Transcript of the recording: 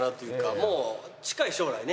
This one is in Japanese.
もう近い将来ね